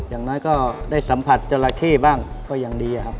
อย่างน้อยก็ได้สัมผัสจราเข้บ้างก็ยังดีครับ